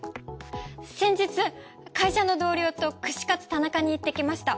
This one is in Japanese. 先日会社の同僚と串カツ田中に行ってきました。